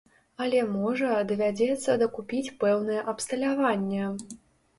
Але, можа, давядзецца дакупіць пэўнае абсталяванне.